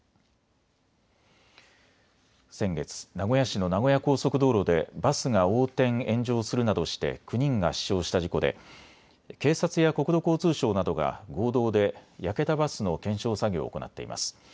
先月、名古屋市の名古屋高速道路でバスが横転・炎上するなどして９人が死傷した事故で警察や国土交通省などが合同で焼けたバスの検証作業を行っています。